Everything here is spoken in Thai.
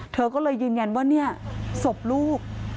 เธอก็เลยยืนยันว่าเนี่ยศพลูก